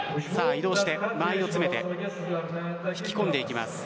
移動して間合いを詰めて引き込んでいきます。